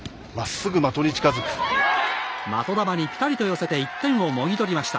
的球にぴたりと寄せて１点をもぎ取りました。